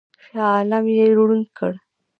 شاه عالم یې ړوند کړ.